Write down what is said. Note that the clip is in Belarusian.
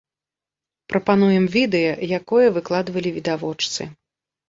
Прапануем відэа, якое выкладвалі відавочцы.